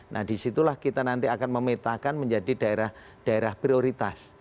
nah disitulah kita nanti akan memetakan menjadi daerah daerah prioritas